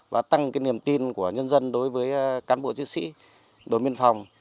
và tăng niềm tin của nhân dân đối với cán bộ chiến sĩ đối miên phòng